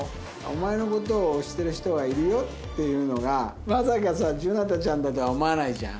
お前の事を推してる人はいるよっていうのがまさかさじゅなたちゃんだとは思わないじゃん。